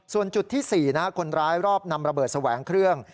ส่วนจุดที่๔คนร้ายรอบนำระเบิดแสวงเครื่อง